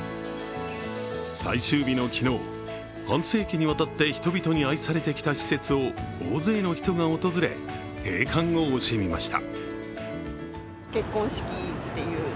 最終日の昨日、半世紀にわたって人々に愛されてきた施設を大勢の人が訪れ閉館を惜しみました。